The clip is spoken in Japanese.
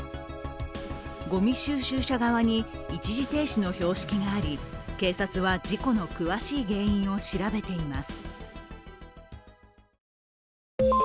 ごみ収集車側に一時停止の標識があり警察は事故の詳しい原因を調べています。